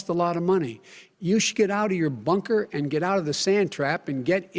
dia bilang kami meminta kasih sayangnya untuk menjadi begitu transparan dengan kami